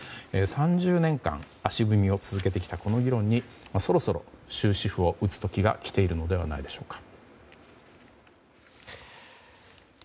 ３０年間、足踏みを続けてきたこの議論にそろそろ、終止符を打つ時が来ているのではないでしょうか。